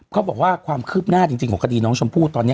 ความคืบหน้าจริงของคดีน้องชมพู่ตอนนี้